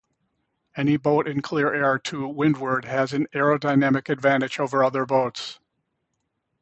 Any boat in clear air to windward has an aerodynamic advantage over other boats.